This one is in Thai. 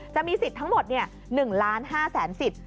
จะมีสิทธิ์ทั้งหมดเนี่ย๑๕๐๐๐๐๐สิทธิ์